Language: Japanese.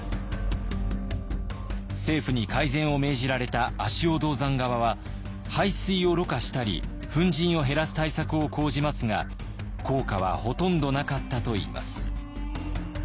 政府に改善を命じられた足尾銅山側は排水をろ過したり粉じんを減らす対策を講じますが効果はほとんどなかったといいます。